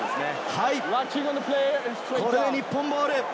これで日本ボール。